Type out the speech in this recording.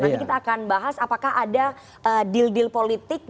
nanti kita akan bahas apakah ada deal deal politik